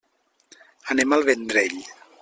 Anem al Vendrell.